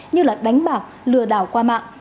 như là đánh bạc lừa đảo qua mạng